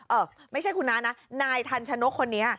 เออไม่ใช่คุณน้านะนายทันชนกคนนี้